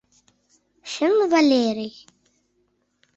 Чын, Валерий?